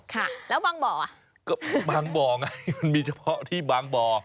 ค่ะแล้วบางบ่ออ่ะก็บางบ่อไงมันมีเฉพาะที่บางบ่อ